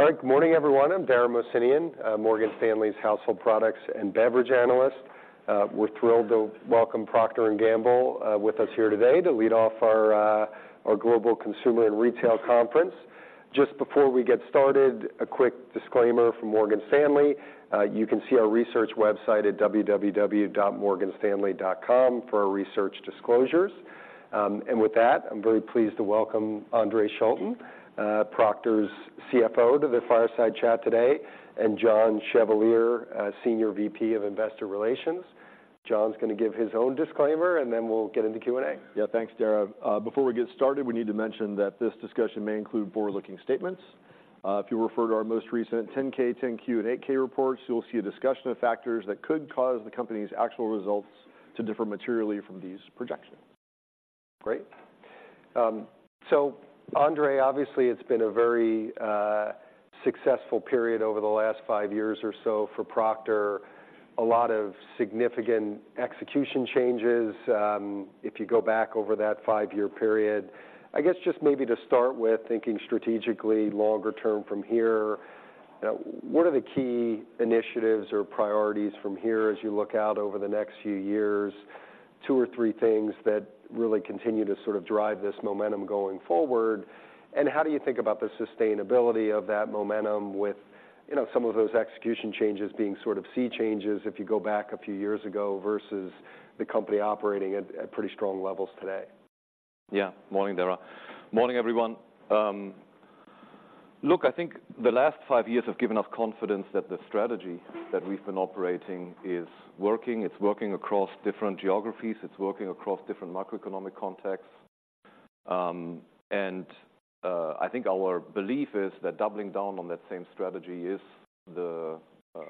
All right. Good morning, everyone. I'm Dara Mohsenian, Morgan Stanley's Household Products and Beverage Analyst. We're thrilled to welcome Procter & Gamble with us here today to lead off our Global Consumer and Retail Conference. Just before we get started, a quick disclaimer from Morgan Stanley. You can see our research website at www.morganstanley.com for our research disclosures. With that, I'm very pleased to welcome Andre Schulten, Procter's CFO, to the fireside chat today, and John Chevalier, Senior VP of Investor Relations. John's gonna give his own disclaimer, and then we'll get into Q&A. Yeah. Thanks, Dara. Before we get started, we need to mention that this discussion may include forward-looking statements. If you refer to our most recent 10-K, 10-Q, and 8-K reports, you will see a discussion of factors that could cause the company's actual results to differ materially from these projections. Great. So Andre, obviously, it's been a very successful period over the last five years or so for Procter. A lot of significant execution changes, if you go back over that five-year period. I guess just maybe to start with thinking strategically, longer term from here, what are the key initiatives or priorities from here as you look out over the next few years? Two or three things that really continue to sort of drive this momentum going forward. And how do you think about the sustainability of that momentum with, you know, some of those execution changes being sort of sea changes, if you go back a few years ago, versus the company operating at pretty strong levels today? Yeah. Morning, Dara. Morning, everyone. Look, I think the last five years have given us confidence that the strategy that we've been operating is working. It's working across different geographies. It's working across different macroeconomic contexts. I think our belief is that doubling down on that same strategy is the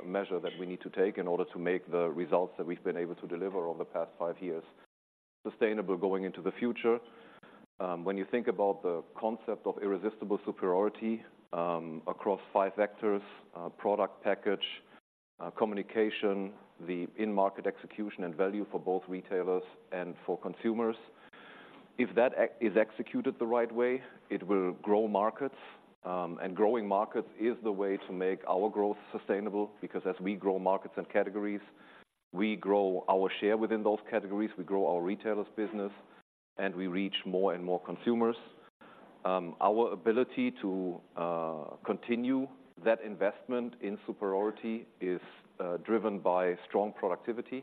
measure that we need to take in order to make the results that we've been able to deliver over the past five years sustainable going into the future. When you think about the concept of Irresistible Superiority, across five vectors: product, package, communication, the in-market execution, and value for both retailers and for consumers, if that is executed the right way, it will grow markets. Growing markets is the way to make our growth sustainable, because as we grow markets and categories, we grow our share within those categories, we grow our retailers' business, and we reach more and more consumers. Our ability to continue that investment in superiority is driven by strong productivity,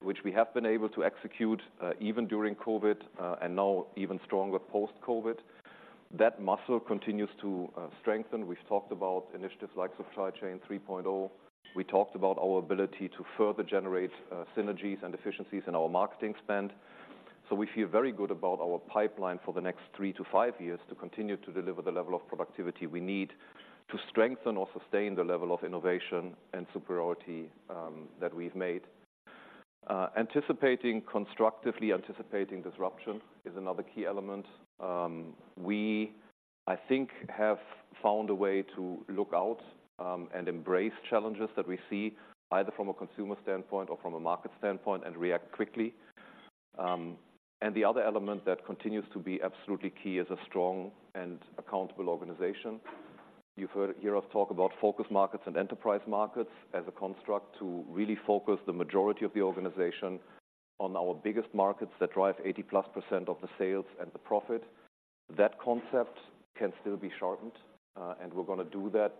which we have been able to execute even during COVID, and now even stronger post-COVID. That muscle continues to strengthen. We've talked about initiatives like Supply Chain 3.0. We talked about our ability to further generate synergies and efficiencies in our marketing spend. So we feel very good about our pipeline for the next three to five years to continue to deliver the level of productivity we need to strengthen or sustain the level of innovation and superiority that we've made. Anticipating, constructively anticipating disruption is another key element. We, I think, have found a way to look out, and embrace challenges that we see, either from a consumer standpoint or from a market standpoint, and react quickly. And the other element that continues to be absolutely key is a strong and accountable organization. You've heard us talk about focus markets and enterprise markets as a construct to really focus the majority of the organization on our biggest markets that drive 80%+ of the sales and the profit. That concept can still be sharpened, and we're gonna do that,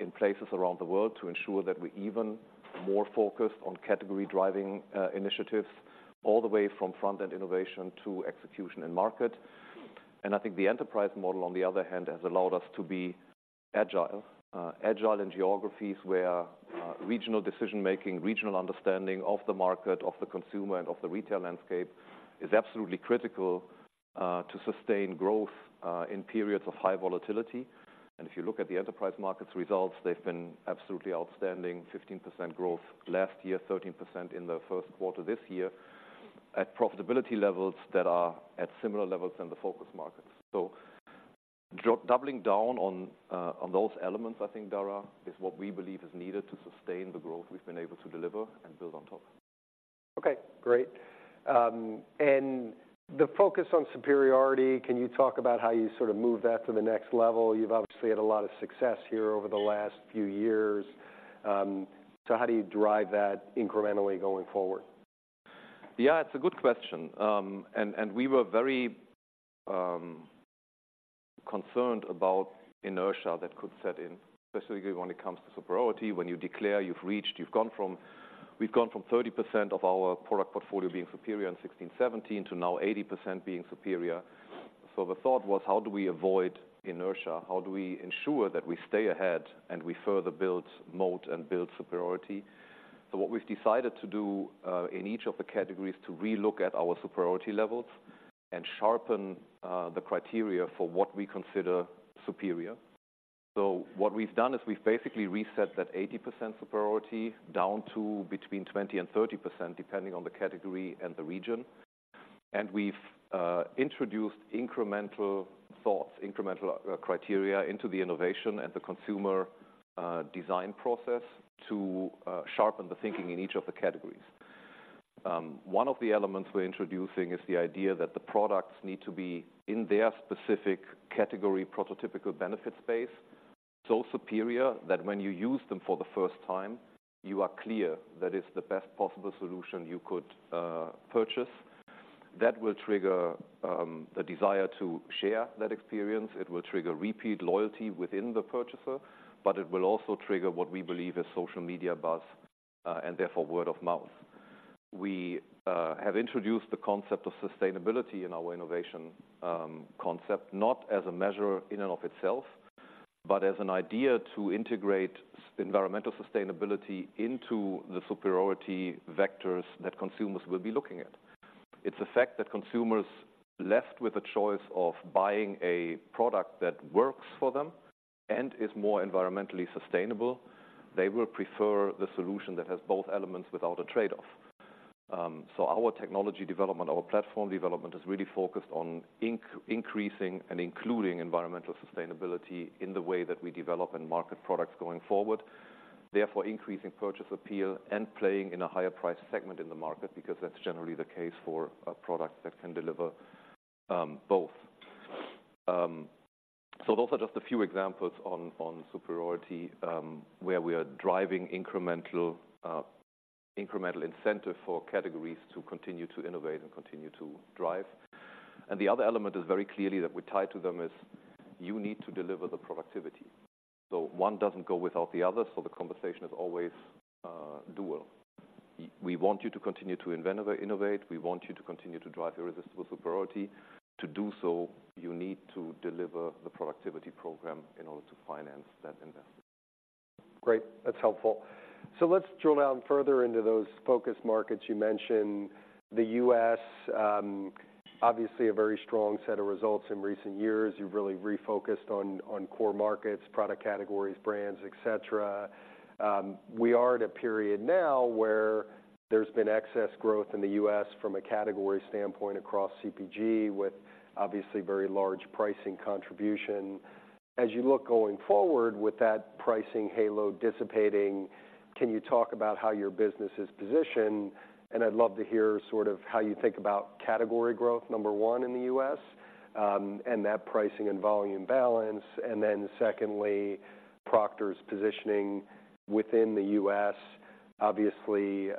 in places around the world to ensure that we're even more focused on category-driving initiatives, all the way from front-end innovation to execution and market. And I think the enterprise model, on the other hand, has allowed us to be agile. Agile in geographies where regional decision-making, regional understanding of the market, of the consumer, and of the retail landscape is absolutely critical to sustain growth in periods of high volatility. And if you look at the enterprise markets results, they've been absolutely outstanding: 15% growth last year, 13% in the first quarter this year, at profitability levels that are at similar levels in the focus markets. So doubling down on those elements, I think, Dara, is what we believe is needed to sustain the growth we've been able to deliver and build on top. Okay, great. The focus on superiority, can you talk about how you sort of move that to the next level? You've obviously had a lot of success here over the last few years. How do you drive that incrementally going forward? Yeah, it's a good question. And we were very concerned about inertia that could set in, especially when it comes to superiority. When you declare you've reached. You've gone from 30% of our product portfolio being superior in 2016, 2017, to now 80% being superior. So the thought was, how do we avoid inertia? How do we ensure that we stay ahead, and we further build moat and build superiority? So what we've decided to do, in each of the categories, to relook at our superiority levels and sharpen the criteria for what we consider superior. So what we've done is we've basically reset that 80% superiority down to between 20% and 30%, depending on the category and the region. And we've introduced incremental thoughts, incremental criteria into the innovation and the consumer design process to sharpen the thinking in each of the categories. One of the elements we're introducing is the idea that the products need to be in their specific category, prototypical benefit space, so superior, that when you use them for the first time, you are clear that it's the best possible solution you could purchase. That will trigger the desire to share that experience. It will trigger repeat loyalty within the purchaser, but it will also trigger what we believe is social media buzz, and therefore, word of mouth. We have introduced the concept of sustainability in our innovation concept, not as a measure in and of itself, but as an idea to integrate environmental sustainability into the superiority vectors that consumers will be looking at. It's a fact that consumers left with a choice of buying a product that works for them and is more environmentally sustainable, they will prefer the solution that has both elements without a trade-off. So our technology development, our platform development, is really focused on increasing and including environmental sustainability in the way that we develop and market products going forward. Therefore, increasing purchase appeal and playing in a higher price segment in the market, because that's generally the case for a product that can deliver both. So those are just a few examples on superiority, where we are driving incremental incentive for categories to continue to innovate and continue to drive. The other element is very clearly that we tie to them is, you need to deliver the productivity. So one doesn't go without the other, so the conversation is always dual. We want you to continue to innovate, innovate. We want you to continue to drive irresistible superiority. To do so, you need to deliver the productivity program in order to finance that investment. Great, that's helpful. So let's drill down further into those focus markets. You mentioned the US, obviously, a very strong set of results in recent years. You've really refocused on, on core markets, product categories, brands, et cetera. We are at a period now where there's been excess growth in the US from a category standpoint across CPG, with obviously very large pricing contribution. As you look going forward with that pricing halo dissipating, can you talk about how your business is positioned? And I'd love to hear sort of how you think about category growth, number one, in the US, and that pricing and volume balance, and then secondly, Procter's positioning within the US. Obviously,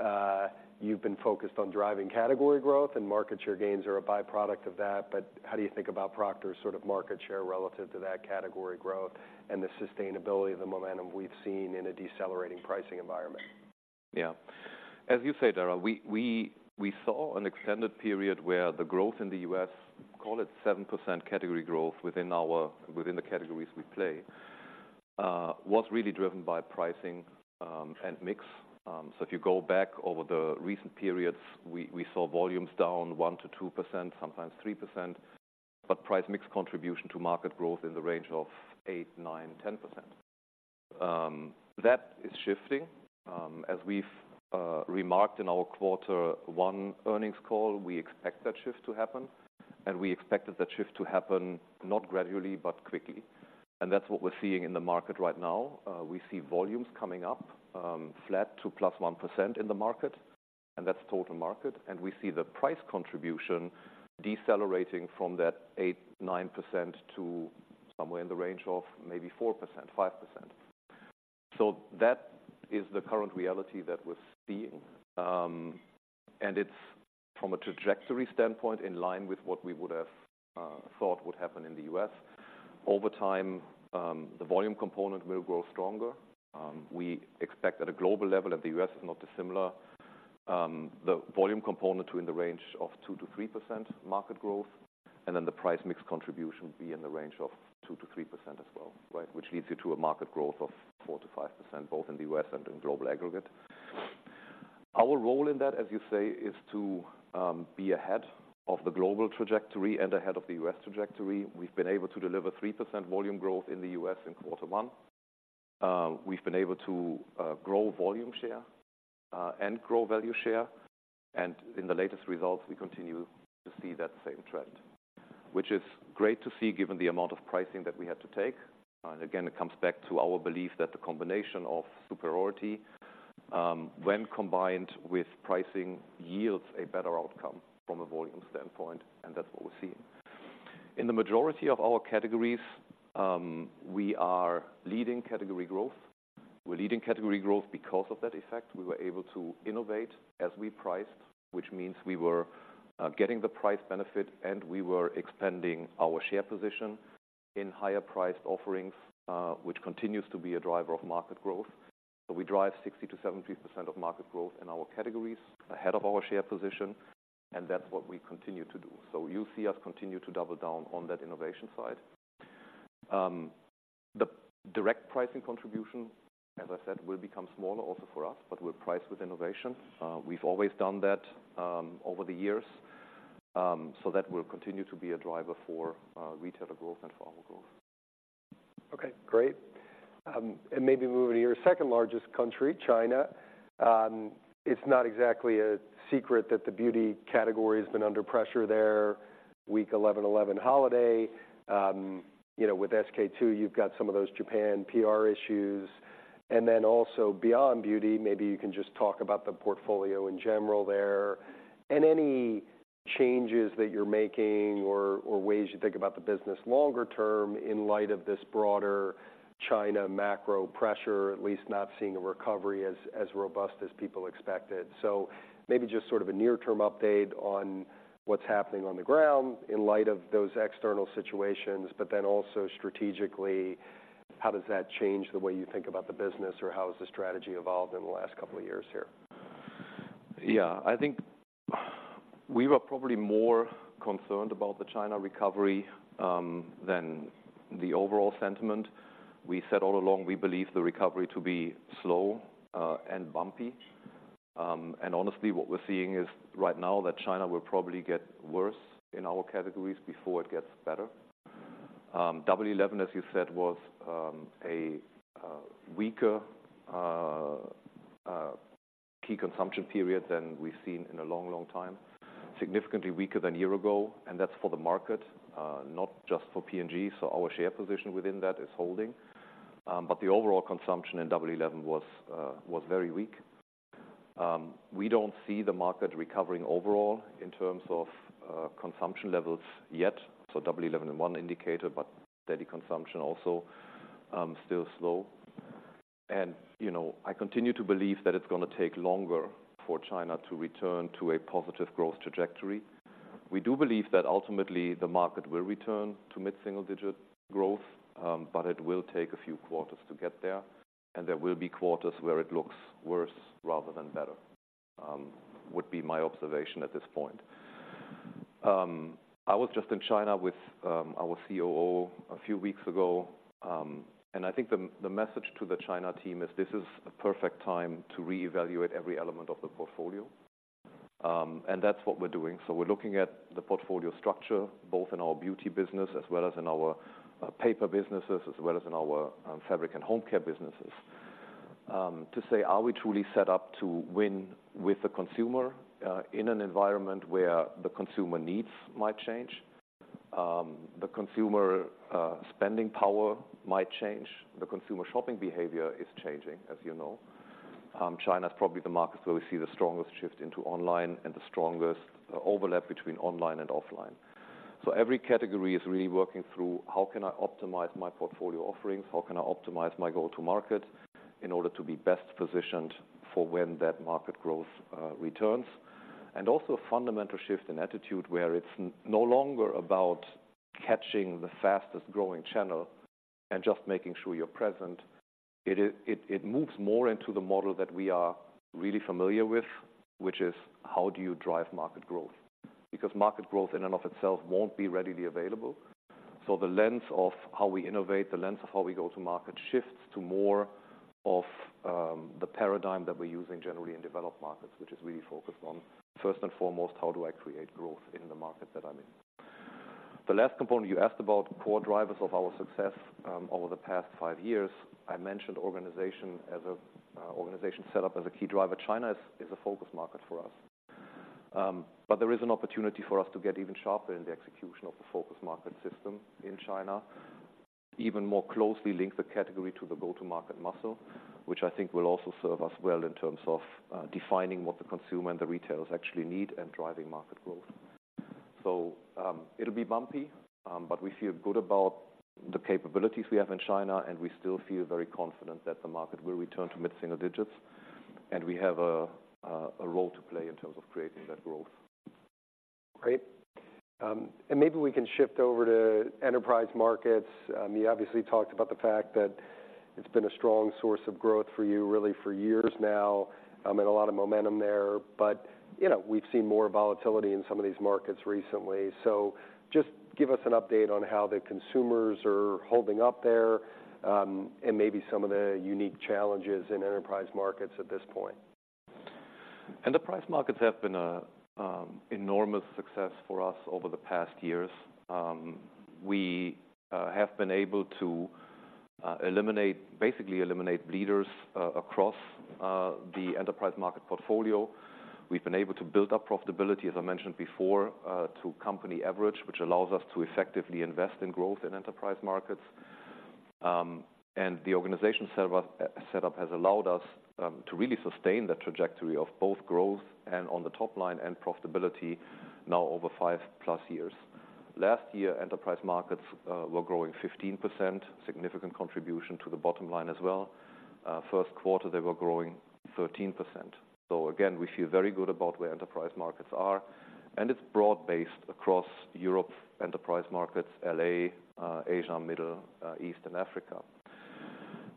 you've been focused on driving category growth and market share gains are a byproduct of that, but how do you think about Procter's sort of market share relative to that category growth and the sustainability of the momentum we've seen in a decelerating pricing environment? Yeah. As you say, Dara, we saw an extended period where the growth in the U.S., call it 7% category growth within the categories we play, was really driven by pricing and mix. So if you go back over the recent periods, we saw volumes down 1%-2%, sometimes 3%, but price mix contribution to market growth in the range of 8%, 9%, 10%. That is shifting. As we've remarked in our quarter one earnings call, we expect that shift to happen, and we expected that shift to happen, not gradually, but quickly. And that's what we're seeing in the market right now. We see volumes coming up, flat to +1% in the market, and that's total market. We see the price contribution decelerating from that 8%-9% to somewhere in the range of maybe 4%-5%. That is the current reality that we're seeing. It's from a trajectory standpoint, in line with what we would have thought would happen in the U.S. Over time, the volume component will grow stronger. We expect at a global level, and the U.S. is not dissimilar, the volume component to be in the range of 2%-3% market growth, and then the price mix contribution be in the range of 2%-3% as well, right? Which leads you to a market growth of 4%-5%, both in the U.S. and in global aggregate. Our role in that, as you say, is to be ahead of the global trajectory and ahead of the US trajectory. We've been able to deliver 3% volume growth in the US in quarter one. We've been able to grow volume share and grow value share, and in the latest results, we continue to see that same trend, which is great to see, given the amount of pricing that we had to take. And again, it comes back to our belief that the combination of superiority, when combined with pricing, yields a better outcome from a volume standpoint, and that's what we're seeing. In the majority of our categories, we are leading category growth. We're leading category growth because of that effect. We were able to innovate as we priced, which means we were getting the price benefit, and we were expanding our share position in higher priced offerings, which continues to be a driver of market growth. So we drive 60%-70% of market growth in our categories ahead of our share position, and that's what we continue to do. So you'll see us continue to double down on that innovation side. The direct pricing contribution, as I said, will become smaller also for us, but we'll price with innovation. We've always done that over the years, so that will continue to be a driver for retailer growth and for our growth. Okay, great. And maybe moving to your second largest country, China. It's not exactly a secret that the beauty category has been under pressure there, weak Double Eleven holiday. You know, with SK-II, you've got some of those Japan PR issues. And then also beyond beauty, maybe you can just talk about the portfolio in general there, and any changes that you're making or ways you think about the business longer term in light of this broader China macro pressure, at least not seeing a recovery as robust as people expected. So maybe just sort of a near-term update on what's happening on the ground in light of those external situations, but then also strategically, how does that change the way you think about the business or how has the strategy evolved in the last couple of years here? Yeah, I think we were probably more concerned about the China recovery than the overall sentiment. We said all along, we believe the recovery to be slow and bumpy. And honestly, what we're seeing is right now that China will probably get worse in our categories before it gets better. Double Eleven, as you said, was a weaker key consumption period than we've seen in a long, long time. Significantly weaker than a year ago, and that's for the market, not just for P&G. So our share position within that is holding. But the overall consumption in Double Eleven was very weak. We don't see the market recovering overall in terms of consumption levels yet. So Double Eleven is one indicator, but steady consumption also still slow. You know, I continue to believe that it's gonna take longer for China to return to a positive growth trajectory. We do believe that ultimately, the market will return to mid-single digit growth, but it will take a few quarters to get there, and there will be quarters where it looks worse rather than better, would be my observation at this point. I was just in China with our COO a few weeks ago, and I think the message to the China team is this is a perfect time to reevaluate every element of the portfolio. And that's what we're doing. So we're looking at the portfolio structure, both in our beauty business as well as in our paper businesses, as well as in our fabric and home care businesses. To say, are we truly set up to win with the consumer, in an environment where the consumer needs might change, the consumer spending power might change, the consumer shopping behavior is changing, as you know. China is probably the market where we see the strongest shift into online and the strongest overlap between online and offline. So every category is really working through, How can I optimize my portfolio offerings? How can I optimize my go-to-market in order to be best positioned for when that market growth returns? And also a fundamental shift in attitude, where it's no longer about catching the fastest-growing channel and just making sure you're present. It moves more into the model that we are really familiar with, which is: How do you drive market growth? Because market growth, in and of itself, won't be readily available. So the length of how we innovate, the length of how we go to market, shifts to more of, the paradigm that we're using generally in developed markets, which is really focused on, first and foremost, how do I create growth in the market that I'm in? The last component, you asked about core drivers of our success, over the past five years. I mentioned organization as a, organization set up as a key driver. China is a focus market for us. But there is an opportunity for us to get even sharper in the execution of the focus market system in China, even more closely link the category to the go-to-market muscle, which I think will also serve us well in terms of defining what the consumer and the retailers actually need and driving market growth. It'll be bumpy, but we feel good about the capabilities we have in China, and we still feel very confident that the market will return to mid-single digits, and we have a role to play in terms of creating that growth. Great. And maybe we can shift over to enterprise markets. You obviously talked about the fact that it's been a strong source of growth for you, really, for years now, and a lot of momentum there. But, you know, we've seen more volatility in some of these markets recently. So just give us an update on how the consumers are holding up there, and maybe some of the unique challenges in enterprise markets at this point. Enterprise markets have been an enormous success for us over the past years. We have been able to basically eliminate bleeders across the enterprise market portfolio. We've been able to build up profitability, as I mentioned before, to company average, which allows us to effectively invest in growth in enterprise markets. And the organization set up has allowed us to really sustain that trajectory of both growth and on the top line and profitability now over 5+ years. Last year, enterprise markets were growing 15%, significant contribution to the bottom line as well. First quarter, they were growing 13%. So again, we feel very good about where enterprise markets are, and it's broad-based across Europe, enterprise markets, LA, Asia, Middle East, and Africa.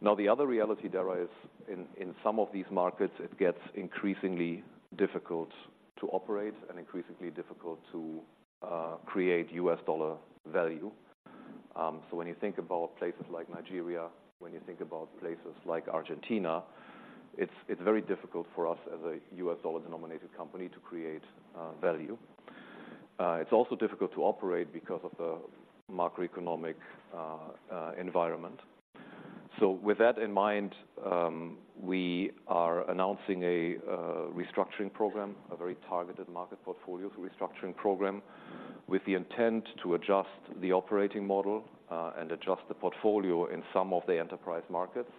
Now, the other reality, Dara, is in, in some of these markets, it gets increasingly difficult to operate and increasingly difficult to create US dollar value. So when you think about places like Nigeria, when you think about places like Argentina, it's, it's very difficult for us as a US dollar-denominated company to create value. It's also difficult to operate because of the macroeconomic environment. So with that in mind, we are announcing a restructuring program, a very targeted market portfolio restructuring program, with the intent to adjust the operating model and adjust the portfolio in some of the enterprise markets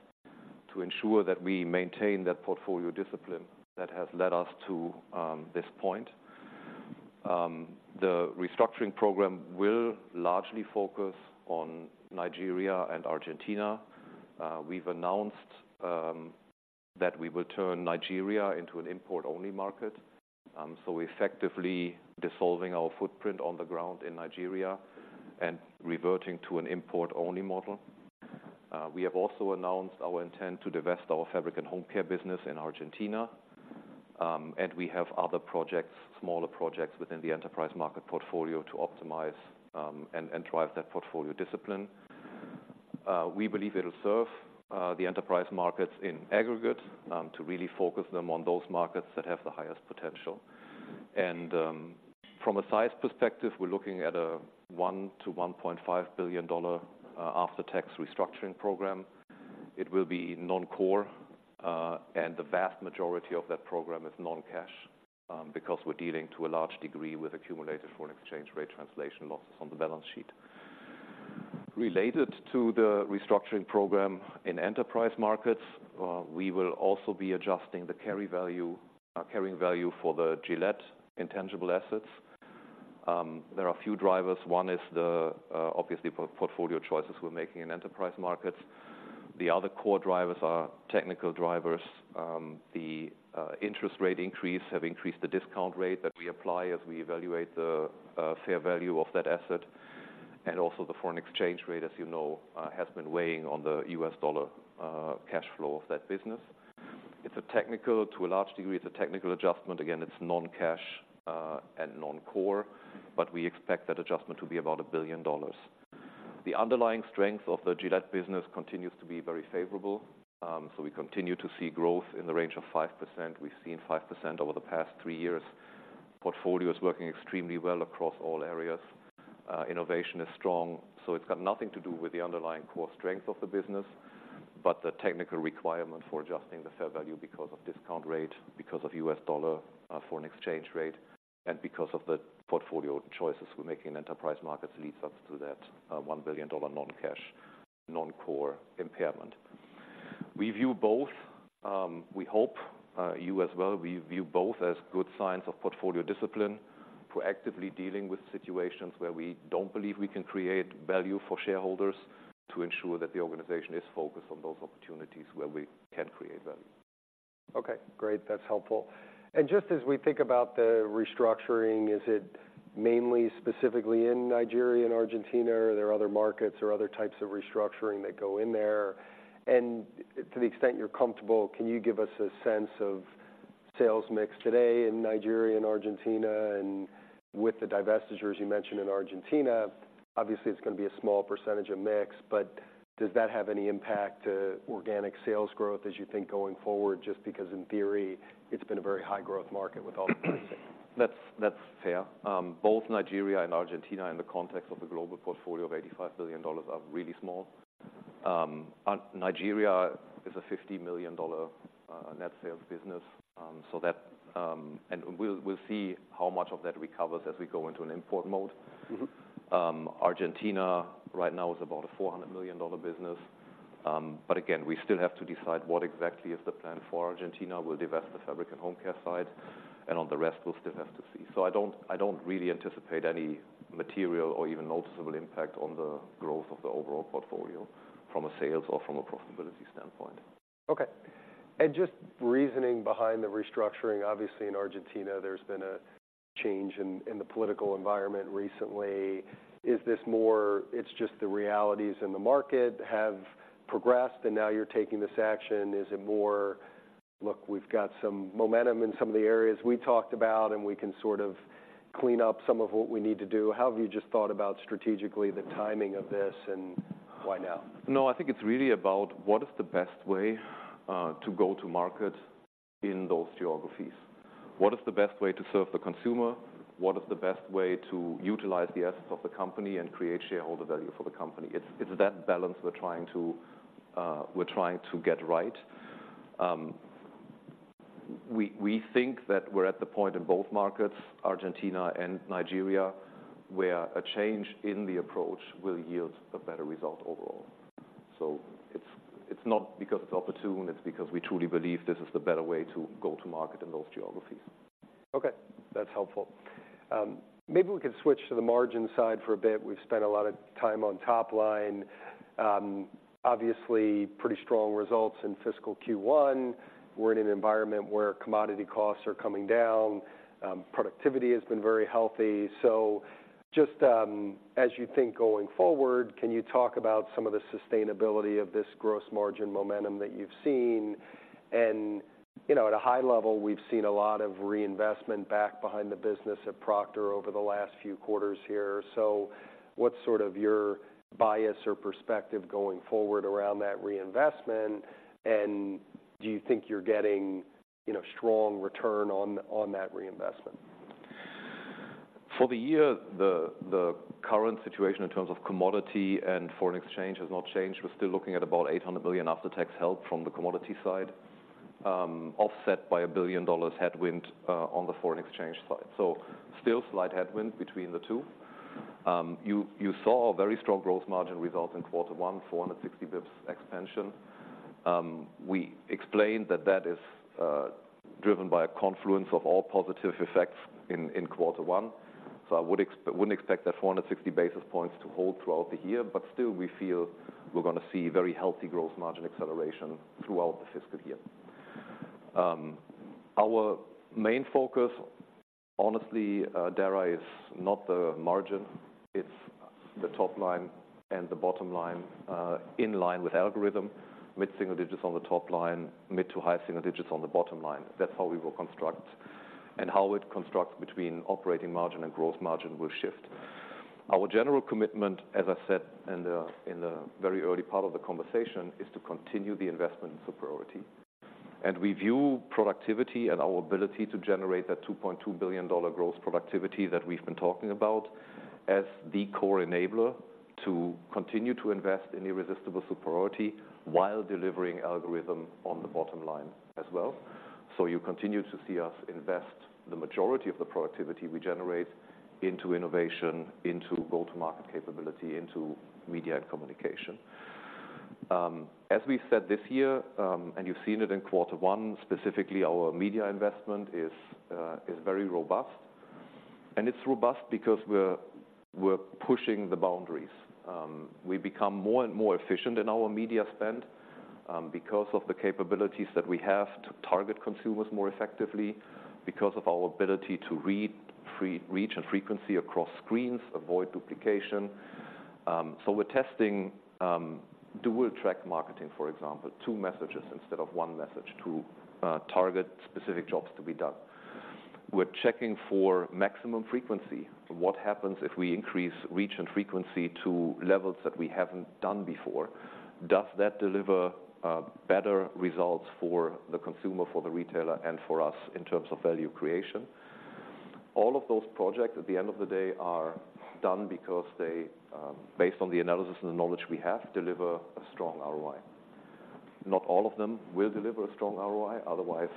to ensure that we maintain that portfolio discipline that has led us to this point. The restructuring program will largely focus on Nigeria and Argentina. We've announced that we will turn Nigeria into an import-only market, so effectively dissolving our footprint on the ground in Nigeria and reverting to an import-only model. We have also announced our intent to divest our Fabric and Home Care business in Argentina. And we have other projects, smaller projects, within the enterprise market portfolio to optimize, and drive that portfolio discipline. We believe it'll serve the enterprise markets in aggregate to really focus them on those markets that have the highest potential. And from a size perspective, we're looking at a $1-$1.5 billion after-tax restructuring program. It will be non-core, and the vast majority of that program is non-cash, because we're dealing to a large degree with accumulated foreign exchange rate translation losses on the balance sheet. Related to the restructuring program in enterprise markets, we will also be adjusting the carrying value for the Gillette intangible assets. There are a few drivers. One is, obviously, the portfolio choices we're making in enterprise markets. The other core drivers are technical drivers. The interest rate increase have increased the discount rate that we apply as we evaluate the fair value of that asset, and also the foreign exchange rate, as you know, has been weighing on the US dollar cash flow of that business. It's a technical. To a large degree, it's a technical adjustment. Again, it's non-cash and non-core, but we expect that adjustment to be about $1 billion. The underlying strength of the Gillette business continues to be very favorable, so we continue to see growth in the range of 5%. We've seen 5% over the past three years. Portfolio is working extremely well across all areas. Innovation is strong, so it's got nothing to do with the underlying core strength of the business, but the technical requirement for adjusting the fair value because of discount rate, because of US dollar, foreign exchange rate, and because of the portfolio choices we make in enterprise markets leads us to that $1 billion non-cash, non-core impairment. We view both. We hope you as well. We view both as good signs of portfolio discipline, proactively dealing with situations where we don't believe we can create value for shareholders, to ensure that the organization is focused on those opportunities where we can create value. Okay, great. That's helpful. And just as we think about the restructuring, is it mainly specifically in Nigeria and Argentina, or are there other markets or other types of restructuring that go in there? And to the extent you're comfortable, can you give us a sense of sales mix today in Nigeria and Argentina, and with the divestitures you mentioned in Argentina? Obviously, it's gonna be a small percentage of mix, but does that have any impact to organic sales growth as you think going forward? Just because in theory, it's been a very high-growth market with all the pricing. That's fair. Both Nigeria and Argentina, in the context of the global portfolio of $85 billion, are really small. Nigeria is a $50 million net sales business, so that and we'll see how much of that recovers as we go into an import mode. Mm-hmm. Argentina right now is about a $400 million business. But again, we still have to decide what exactly is the plan for Argentina. We'll divest the Fabric and Home Care side, and on the rest, we'll still have to see. So I don't, I don't really anticipate any material or even noticeable impact on the growth of the overall portfolio from a sales or from a profitability standpoint. Okay. And just the reasoning behind the restructuring. Obviously, in Argentina, there's been a change in the political environment recently. Is this more, it's just the realities in the market have progressed, and now you're taking this action? Is it more, "Look, we've got some momentum in some of the areas we talked about, and we can sort of clean up some of what we need to do?" How have you just thought about, strategically, the timing of this and why now? No, I think it's really about: What is the best way to go to market in those geographies? What is the best way to serve the consumer? What is the best way to utilize the assets of the company and create shareholder value for the company? It's, it's that balance we're trying to, we're trying to get right. We, we think that we're at the point in both markets, Argentina and Nigeria, where a change in the approach will yield a better result overall. So it's, it's not because it's opportune, it's because we truly believe this is the better way to go to market in those geographies. Okay, that's helpful. Maybe we could switch to the margin side for a bit. We've spent a lot of time on top line. Obviously, pretty strong results in fiscal Q1. We're in an environment where commodity costs are coming down. Productivity has been very healthy. So just, as you think going forward, can you talk about some of the sustainability of this gross margin momentum that you've seen? And, you know, at a high level, we've seen a lot of reinvestment back behind the business at Procter over the last few quarters here. So what's sort of your bias or perspective going forward around that reinvestment, and do you think you're getting, you know, strong return on, on that reinvestment? For the year, the current situation in terms of commodity and foreign exchange has not changed. We're still looking at about $800 billion after-tax help from the commodity side, offset by $1 billion headwind on the foreign exchange side. So still slight headwind between the two. You saw a very strong growth margin result in quarter one, 460 bps expansion. We explained that that is driven by a confluence of all positive effects in quarter one. So I wouldn't expect that 460 basis points to hold throughout the year, but still, we feel we're gonna see very healthy growth margin acceleration throughout the fiscal year. Our main focus, honestly, Dara, is not the margin, it's the top line and the bottom line, in line with algorithm, mid-single digits on the top line, mid- to high-single digits on the bottom line. That's how we will construct, and how it constructs between operating margin and growth margin will shift. Our general commitment, as I said in the very early part of the conversation, is to continue the investment in superiority. And we view productivity and our ability to generate that $2.2 billion growth productivity that we've been talking about, as the core enabler to continue to invest in irresistible superiority while delivering algorithm on the bottom line as well. So you continue to see us invest the majority of the productivity we generate into innovation, into go-to-market capability, into media and communication. As we said this year, and you've seen it in quarter one, specifically, our media investment is very robust. And it's robust because we're pushing the boundaries. We become more and more efficient in our media spend, because of the capabilities that we have to target consumers more effectively, because of our ability to reach and frequency across screens, avoid duplication. So we're testing dual track marketing, for example, two messages instead of one message, to target specific jobs to be done. We're checking for maximum frequency. What happens if we increase reach and frequency to levels that we haven't done before? Does that deliver better results for the consumer, for the retailer, and for us in terms of value creation? All of those projects, at the end of the day, are done because they, based on the analysis and the knowledge we have, deliver a strong ROI. Not all of them will deliver a strong ROI, otherwise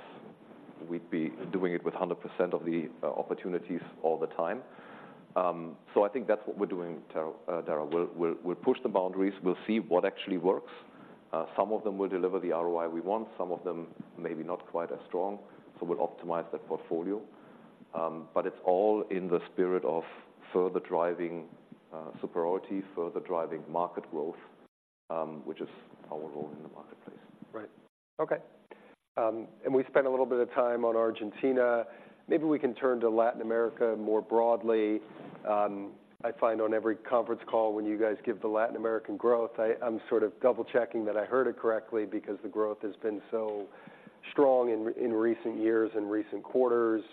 we'd be doing it with 100% of the opportunities all the time. So I think that's what we're doing, Dara. We'll push the boundaries, we'll see what actually works. Some of them will deliver the ROI we want, some of them maybe not quite as strong, so we'll optimize that portfolio. But it's all in the spirit of further driving superiority, further driving market growth, which is our role in the marketplace. Right. Okay. And we spent a little bit of time on Argentina. Maybe we can turn to Latin America more broadly. I find on every conference call, when you guys give the Latin American growth, I'm sort of double-checking that I heard it correctly, because the growth has been so strong in recent years and recent quarters.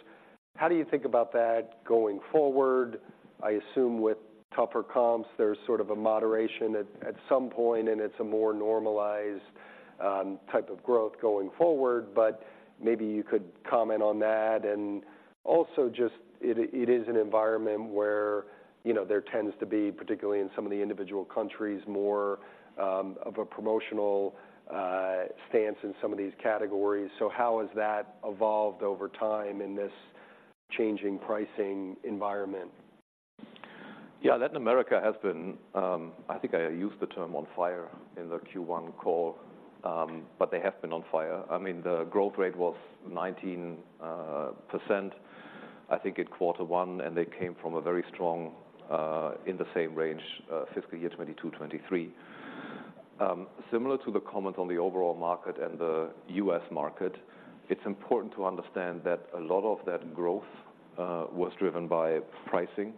How do you think about that going forward? I assume with tougher comps, there's sort of a moderation at some point, and it's a more normalized type of growth going forward, but maybe you could comment on that. And also just, it is an environment where, you know, there tends to be, particularly in some of the individual countries, more of a promotional stance in some of these categories. So how has that evolved over time in this changing pricing environment? Yeah, Latin America has been, I think I used the term on fire in the Q1 call, but they have been on fire. I mean, the growth rate was 19%, I think in quarter one, and they came from a very strong in the same range fiscal year 2022-2023. Similar to the comment on the overall market and the U.S. market, it's important to understand that a lot of that growth was driven by pricing.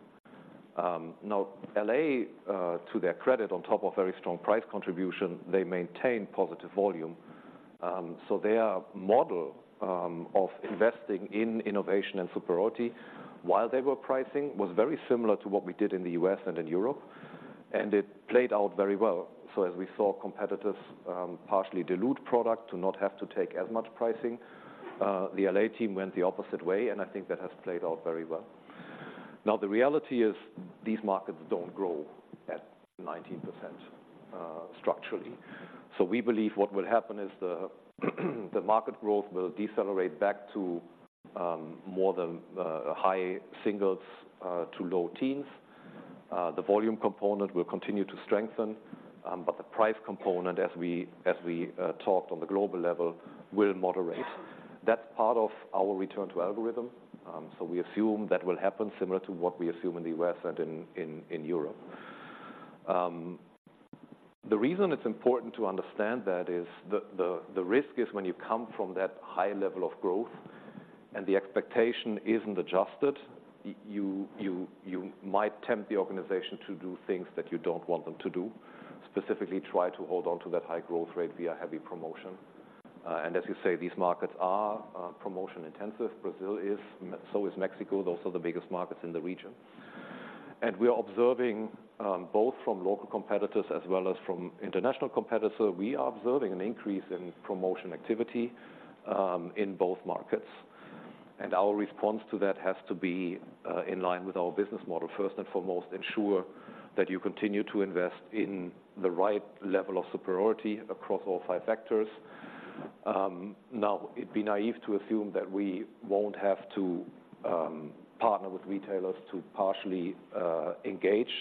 Now, L.A., to their credit, on top of very strong price contribution, they maintained positive volume. So their model of investing in innovation and superiority while they were pricing, was very similar to what we did in the U.S. and in Europe, and it played out very well. So as we saw competitors partially dilute product to not have to take as much pricing, the LA team went the opposite way, and I think that has played out very well. Now, the reality is, these markets don't grow at 19% structurally. So we believe what will happen is the market growth will decelerate back to more than high singles to low teens. The volume component will continue to strengthen, but the price component, as we talked on the global level, will moderate. That's part of our return to algorithm. So we assume that will happen similar to what we assume in the US and in Europe. The reason it's important to understand that is the risk is when you come from that high level of growth and the expectation isn't adjusted, you might tempt the organization to do things that you don't want them to do, specifically, try to hold on to that high growth rate via heavy promotion. And as you say, these markets are promotion intensive. Brazil is, so is Mexico. Those are the biggest markets in the region. And we are observing, both from local competitors as well as from international competitor, we are observing an increase in promotion activity, in both markets. And our response to that has to be in line with our business model. First and foremost, ensure that you continue to invest in the right level of superiority across all five vectors. Now, it'd be naive to assume that we won't have to partner with retailers to partially engage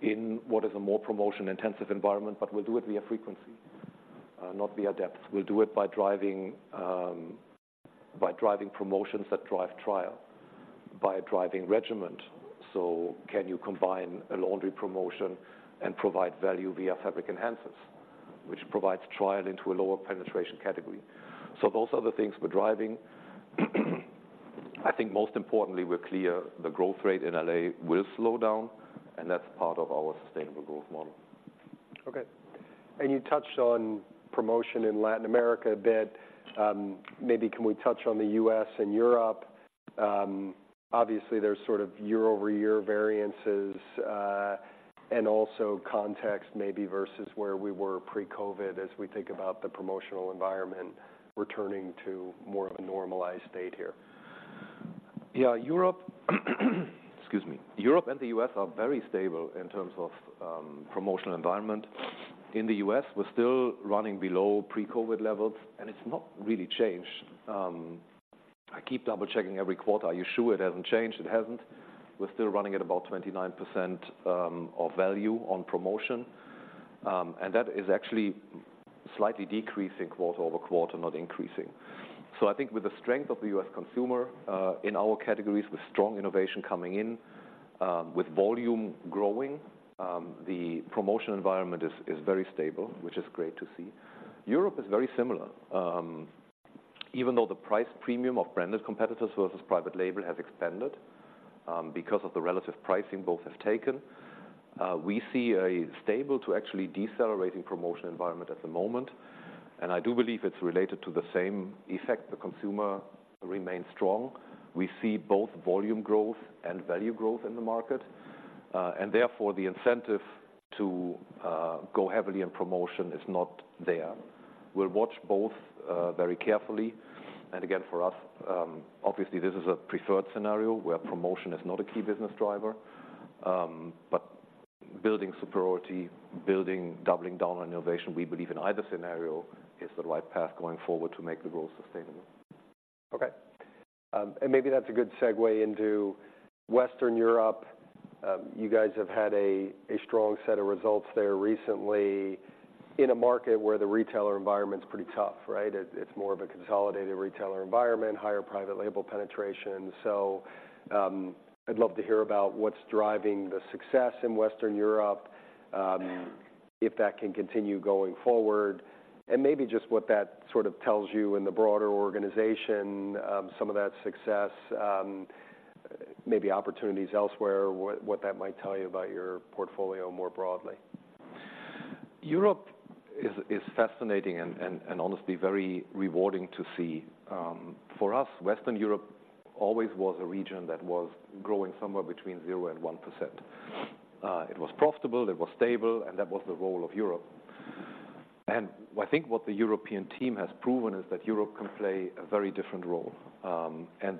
in what is a more promotion-intensive environment, but we'll do it via frequency, not via depth. We'll do it by driving promotions that drive trial, by driving regimen. So can you combine a laundry promotion and provide value via fabric enhancers, which provides trial into a lower penetration category? So those are the things we're driving. I think most importantly, we're clear the growth rate in LA will slow down, and that's part of our sustainable growth model. Okay. And you touched on promotion in Latin America a bit. Maybe can we touch on the US and Europe? Obviously, there's sort of year-over-year variances, and also context maybe versus where we were pre-COVID, as we think about the promotional environment returning to more of a normalized state here. Yeah, Europe, excuse me. Europe and the U.S. are very stable in terms of promotional environment. In the U.S., we're still running below pre-COVID levels, and it's not really changed. I keep double-checking every quarter. Are you sure it hasn't changed? It hasn't. We're still running at about 29% of value on promotion, and that is actually slightly decreasing quarter-over-quarter, not increasing. So I think with the strength of the U.S. consumer in our categories, with strong innovation coming in, with volume growing, the promotion environment is very stable, which is great to see. Europe is very similar. Even though the price premium of branded competitors versus private label has expanded, because of the relative pricing both have taken, we see a stable to actually decelerating promotion environment at the moment, and I do believe it's related to the same effect. The consumer remains strong. We see both volume growth and value growth in the market, and therefore, the incentive to go heavily in promotion is not there. We'll watch both very carefully, and again, for us, obviously, this is a preferred scenario, where promotion is not a key business driver. But building superiority, building, doubling down on innovation, we believe in either scenario, is the right path going forward to make the growth sustainable. Okay. And maybe that's a good segue into Western Europe. You guys have had a strong set of results there recently in a market where the retailer environment's pretty tough, right? It's more of a consolidated retailer environment, higher private label penetration. So, I'd love to hear about what's driving the success in Western Europe, if that can continue going forward, and maybe just what that sort of tells you in the broader organization, some of that success, maybe opportunities elsewhere, what that might tell you about your portfolio more broadly. Europe is fascinating and honestly very rewarding to see. For us, Western Europe always was a region that was growing somewhere between 0 and 1%. It was profitable, it was stable, and that was the role of Europe. And I think what the European team has proven is that Europe can play a very different role, and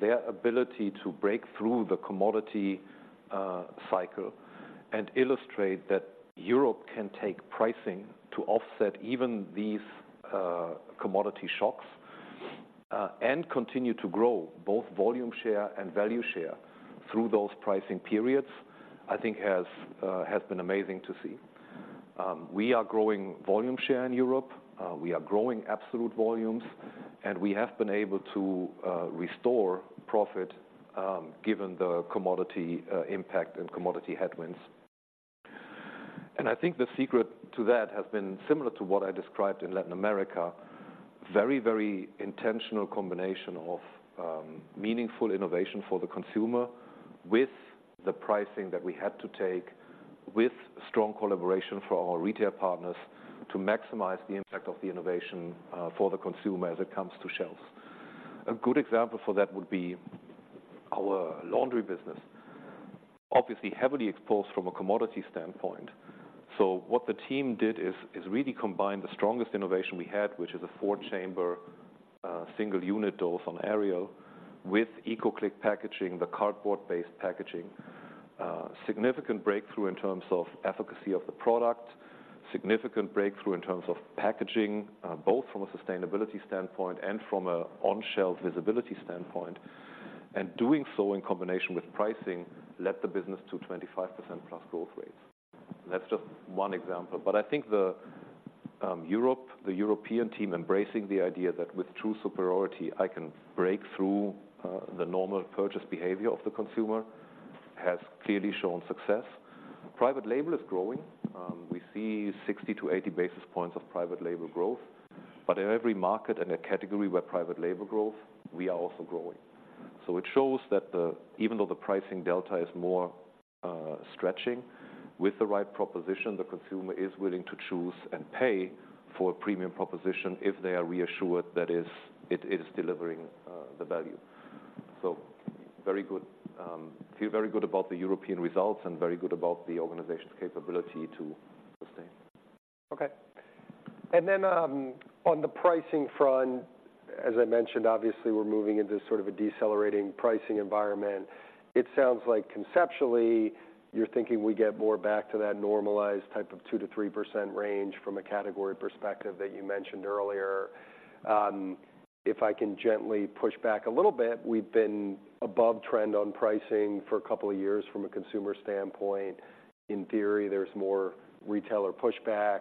their ability to break through the commodity cycle and illustrate that Europe can take pricing to offset even these commodity shocks, and continue to grow both volume share and value share through those pricing periods, I think has has been amazing to see. We are growing volume share in Europe, we are growing absolute volumes, and we have been able to restore profit, given the commodity impact and commodity headwinds. And I think the secret to that has been similar to what I described in Latin America. Very, very intentional combination of meaningful innovation for the consumer with the pricing that we had to take, with strong collaboration for our retail partners to maximize the impact of the innovation for the consumer as it comes to shelves. A good example for that would be our laundry business. Obviously, heavily exposed from a commodity standpoint. So what the team did is really combine the strongest innovation we had, which is a four-chamber single unit dose on Ariel, with ECOCLIC packaging, the cardboard-based packaging. Significant breakthrough in terms of efficacy of the product, significant breakthrough in terms of packaging, both from a sustainability standpoint and from an on-shelf visibility standpoint. And doing so in combination with pricing, led the business to 25%+ growth rates. That's just one example. But I think the Europe, the European team embracing the idea that with true superiority, I can break through the normal purchase behavior of the consumer, has clearly shown success. Private label is growing. We see 60-80 basis points of private label growth, but in every market and a category where private label growth, we are also growing. So it shows that Even though the pricing delta is more stretching, with the right proposition, the consumer is willing to choose and pay for a premium proposition if they are reassured that is, it is delivering the value. So very good. Feel very good about the European results and very good about the organization's capability to sustain. Okay. And then, on the pricing front, as I mentioned, obviously, we're moving into sort of a decelerating pricing environment. It sounds like conceptually, you're thinking we get more back to that normalized type of 2%-3% range from a category perspective that you mentioned earlier. If I can gently push back a little bit, we've been above trend on pricing for a couple of years from a consumer standpoint. In theory, there's more retailer pushback.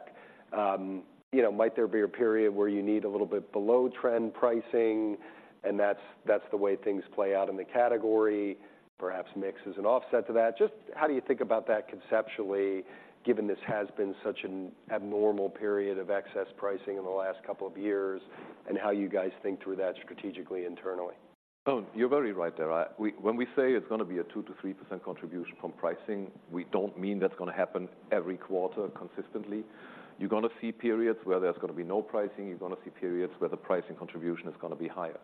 You know, might there be a period where you need a little bit below trend pricing, and that's the way things play out in the category. Perhaps mix is an offset to that. Just how do you think about that conceptually, given this has been such an abnormal period of excess pricing in the last couple of years, and how you guys think through that strategically, internally? Oh, you're very right there. We when we say it's gonna be a 2%-3% contribution from pricing, we don't mean that's gonna happen every quarter consistently. You're gonna see periods where there's gonna be no pricing. You're gonna see periods where the pricing contribution is gonna be higher.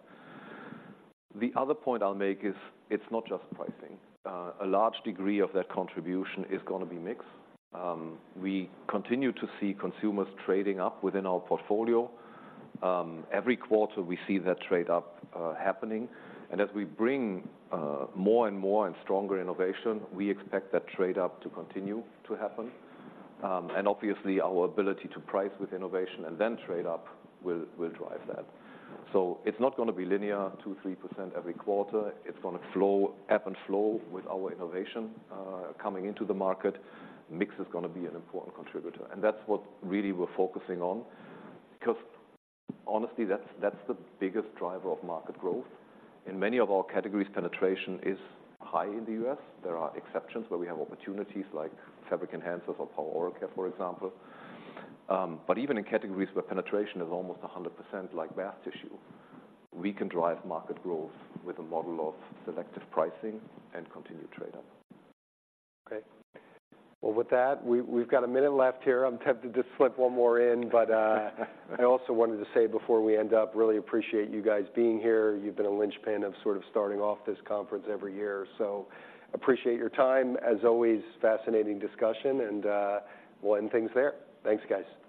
The other point I'll make is, it's not just pricing. A large degree of that contribution is gonna be mix. We continue to see consumers trading up within our portfolio. Every quarter, we see that trade up happening, and as we bring more and more and stronger innovation, we expect that trade up to continue to happen. And obviously, our ability to price with innovation and then trade up will drive that. So it's not gonna be linear, 2%-3% every quarter. It's gonna flow, ebb and flow with our innovation coming into the market. Mix is gonna be an important contributor, and that's what really we're focusing on, because honestly, that's the biggest driver of market growth. In many of our categories, penetration is high in the U.S. There are exceptions where we have opportunities, like fabric enhancers or oral care, for example. But even in categories where penetration is almost 100%, like bath tissue, we can drive market growth with a model of selective pricing and continued trade-up. Okay. Well, with that, we've got a minute left here. I'm tempted to slip one more in, but I also wanted to say before we end up, really appreciate you guys being here. You've been a linchpin of sort of starting off this conference every year. So appreciate your time. As always, fascinating discussion, and we'll end things there. Thanks, guys.